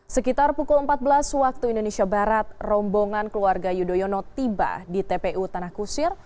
sekitar pukul empat belas waktu indonesia barat rombongan keluarga yudhoyono tiba di tpu tanah kusir